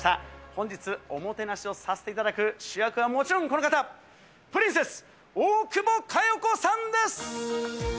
本日おもてなしをさせていただく主役はもちろん、この方、プリンセス、大久保佳代子さんです。